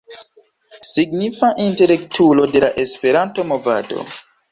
Signifa intelektulo de la Esperanto-movado.